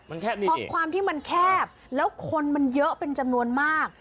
เพราะความที่มันแคบแล้วคนมันเยอะเป็นจำนวนมาก